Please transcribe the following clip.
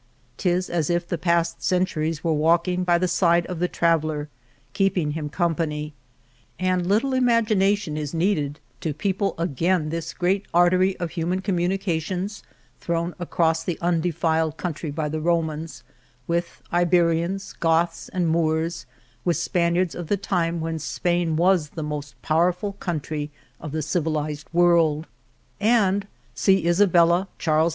Tis as if the past cen turies were walking by the side of the trav eller, keeping him company, and little imagi nation is needed to people again this great artery of human communications, thrown across the undefiled country by the Romans, with Iberians, Goths, and Moors, with Span "3 El Toboso iards of the time when Spain was the most powerful country of the civilized world, and see Isabella, Charles V.